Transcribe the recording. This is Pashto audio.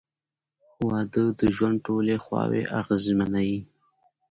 • واده د ژوند ټولې خواوې اغېزمنوي.